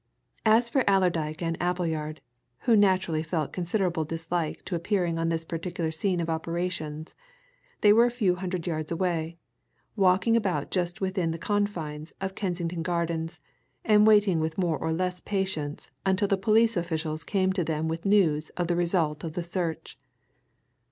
As for Allerdyke and Appleyard, who naturally felt considerable dislike to appearing on this particular scene of operations, they were a few hundred yards away, walking about just within the confines of Kensington Gardens, and waiting with more or less patience until the police officials came to them with news of the result of the search.